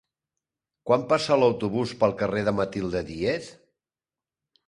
Quan passa l'autobús pel carrer Matilde Díez?